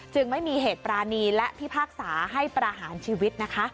ไม่มีเหตุปรานีและพิพากษาให้ประหารชีวิตนะคะ